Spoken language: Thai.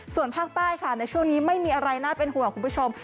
ส่วนภาคใต้ค่ะในช่วงนี้ไม่มีอะไรน่าเป็นห่วงคุณผู้ชม